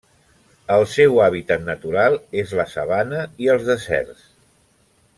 El seu hàbitat natural és la sabana i els deserts.